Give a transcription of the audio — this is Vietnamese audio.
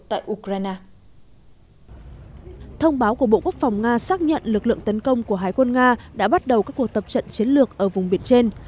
thông báo của bộ quốc phòng nga xác nhận lực lượng tấn công của hải quân nga đã bắt đầu các cuộc tập trận chiến lược ở vùng biển trên